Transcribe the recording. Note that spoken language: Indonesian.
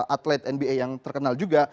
atlet nba yang terkenal juga